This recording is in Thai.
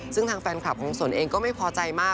ซึ่งทางแฟนคลับของสนเองก็ไม่พอใจมาก